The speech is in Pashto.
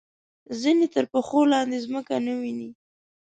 ځینې تر پښو لاندې ځمکه نه ویني.